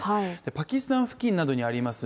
パキスタン付近などにあります